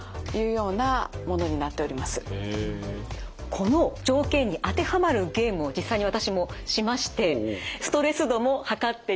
この条件に当てはまるゲームを実際に私もしましてストレス度も測っていただきました。